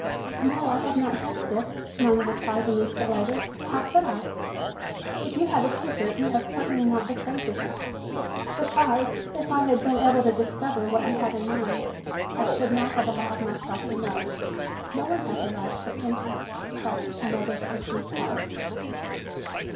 "No, I have not guessed, Dick," Nona replied an instant later. "How could I? If you have a secret you have certainly not betrayed yourself. Besides, if I had been able to discover what you had in mind, I should not have allowed myself to know. No one has the right to interpret another person's thoughts."